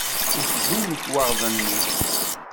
Ufgen lekwaɣeḍ-nni.